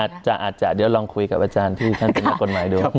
อาจจะเดี๋ยวลองคุยกับอาจารย์ที่ท่านเป็นนักกฎหมายดู